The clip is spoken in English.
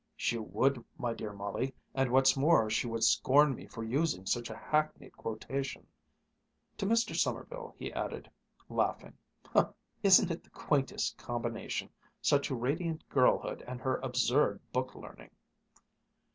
"She would, my dear Molly, and what's more, she would scorn me for using such a hackneyed quotation." To Mr. Sommerville he added, laughing, "Isn't it the quaintest combination such radiant girlhood and her absurd book learning!"